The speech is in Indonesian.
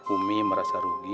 umi merasa rugi